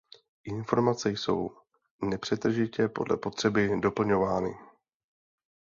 Informace jsou nepřetržitě podle potřeby doplňovány.